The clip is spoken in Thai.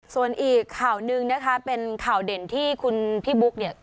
ส่วนอีกข่าวหนึ่งนะคะเป็นข่าวเด่นที่คุณพี่บุ๊กเนี่ย